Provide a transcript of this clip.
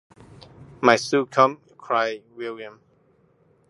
“My suit come?” cried William.